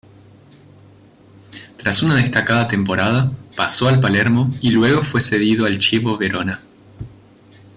Tras una destacada temporada, pasó al Palermo y luego fue cedido al Chievo Verona.